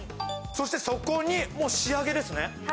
そしてそこにもう仕上げですね。